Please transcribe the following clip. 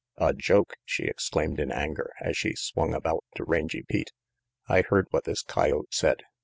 "A joke?" she exclaimed in anger, as she swung about to Rangy Pete. "I heard what this coyote said.